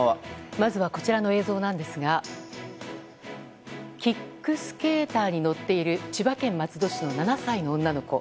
まずはこちらの映像なんですがキックスケーターに乗っている千葉県松戸市の７歳の女の子。